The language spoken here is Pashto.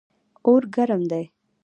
اور ګرم دی.